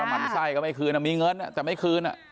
หมั่นไส้ก็ไม่คืนมีเงินแต่ไม่คืน